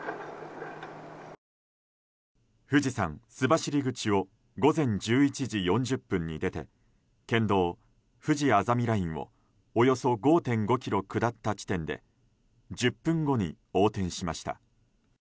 富士山須走口を午前１１時４０分に出て県道ふじあざみラインをおよそ５．５ｋｍ下った地点で１０分後に横転しました。